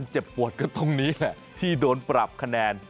เจ็บปวดก็ตรงนี้แหละที่โดนปรับคะแนน